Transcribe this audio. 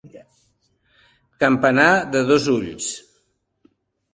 Campanar de dos ulls.